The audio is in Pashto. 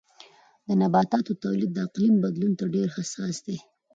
د نباتاتو تولید د اقلیم بدلون ته ډېر حساس دی.